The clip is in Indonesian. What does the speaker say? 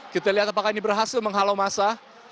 kita lihat apakah ini berhasil menghalau masa